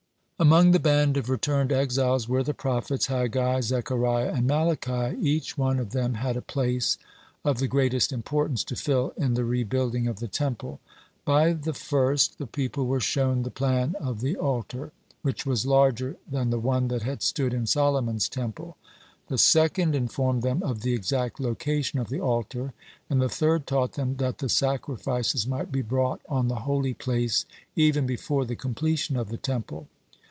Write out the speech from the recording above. (30) Among the band of returned exiles were the prophets Haggai, Zechariah, and Malachi. Each one of them had a place of the greatest importance to fill in the rebuilding of the Temple. By the first the people were shown the plan of the altar, which was larger than the one that had stood in Solomon's Temple. The second informed them of the exact location of the altar, and the third taught them that the sacrifices might be brought on the holy place even before the completion of the Temple.